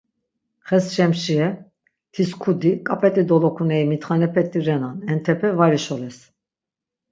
Xes şemşiye, tis kudi, k̆ap̆eti dolonukeyi mitxanepeti renan. Entepe var işoles.